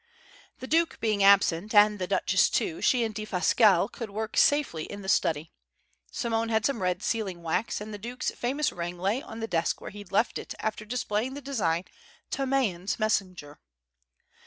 The Duke being absent, and the Duchess, too, she and Defasquelle could work safely in the study. Simone had some red sealing wax; and the Duke's famous ring lay on the desk where he'd left it after displaying the design to Mayen's messenger.